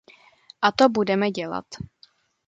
A to budeme dělat.